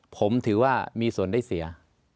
ผมถือว่ามีส่วนได้เสีย